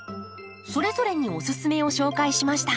それぞれにおススメを紹介しました。